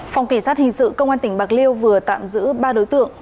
phòng kỳ sát hình sự công an tỉnh bạc liêu vừa tạm giữ ba đối tượng